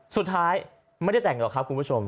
สุดท้ายไม่ได้แต่งหรอกครับคุณผู้ชม